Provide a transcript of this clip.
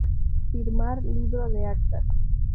Firmar Libro de Actas.